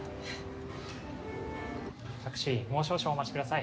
タクシーもう少々お待ちください。